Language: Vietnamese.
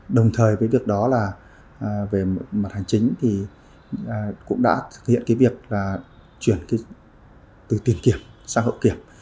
đồng thời với việc đó là về mặt hành chính thì cũng đã thực hiện cái việc là chuyển từ tiền kiểm sang hậu kiểm